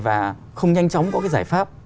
và không nhanh chóng có cái giải pháp